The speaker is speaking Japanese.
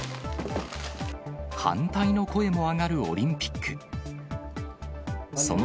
反対の声も上がるオリンピック。